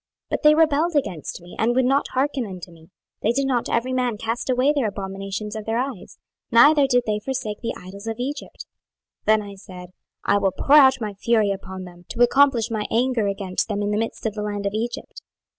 26:020:008 But they rebelled against me, and would not hearken unto me: they did not every man cast away the abominations of their eyes, neither did they forsake the idols of Egypt: then I said, I will pour out my fury upon them, to accomplish my anger against them in the midst of the land of Egypt.